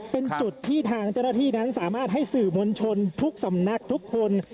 เป็นจุดที่ทางเจ้าหน้าที่นั้นสามารถให้สื่อมวลชนทุกสำนักทุกคน